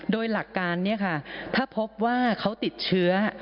โดยหลักการถ้าพบว่าเขาติดเชื้อ